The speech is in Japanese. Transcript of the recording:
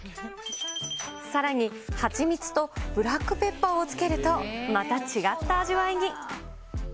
さらに蜂蜜とブラックペッパーをつけるとまた違った味わいに。